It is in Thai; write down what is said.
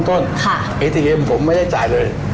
สิ่งที่ผมไม่ได้จ่ายเลย